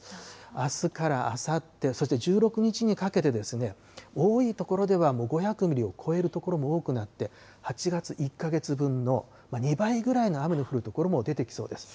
あすからあさって、そして１６日にかけてですね、多い所ではもう５００ミリを超える所も多くなって、８月１か月分の２倍ぐらいの雨の降る所も出てきそうです。